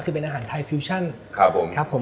คุณแฟนของคุณเบิร์กที่จะทำให้เรากินตอนนี้นะครับผม